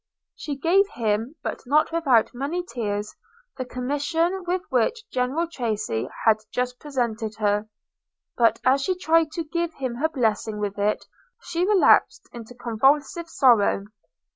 She gave him, but not without many tears, the commission with which General Tracy had just presented her – but as she tried to give him her blessing with it, she relapsed into convulsive sorrow.